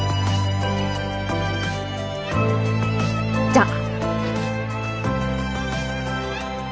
じゃあ。